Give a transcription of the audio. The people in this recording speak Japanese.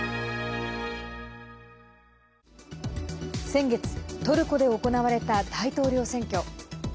先月トルコで行われた大統領選挙。